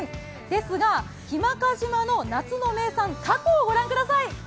ですが日間賀島の夏の名産たこを御覧ください。